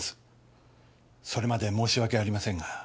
それまで申し訳ありませんが。